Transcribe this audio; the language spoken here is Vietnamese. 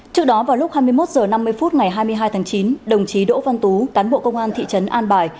trước đó vào lúc hai mươi một h năm mươi phút ngày hai mươi hai tháng chín đồng chí đỗ văn tú cán bộ công an thị trấn an bài